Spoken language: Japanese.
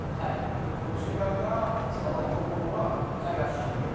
こちらは今のところは、東日本。